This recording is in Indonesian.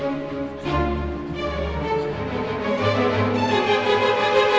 oke siup ya saya pake siup ya